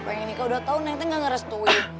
pengen nikah udah tahu neng teh gak ngerestuit